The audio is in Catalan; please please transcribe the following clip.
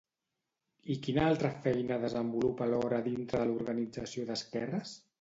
I quina altra feina desenvolupa alhora dintre de l'organització d'esquerres?